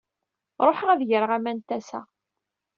Ṛuḥeɣ ad d-greɣ aman n tasa.